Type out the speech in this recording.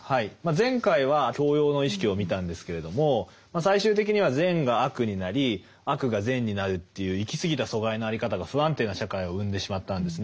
前回は教養の意識を見たんですけれども最終的には善が悪になり悪が善になるという行き過ぎた疎外の在り方が不安定な社会を生んでしまったんですね。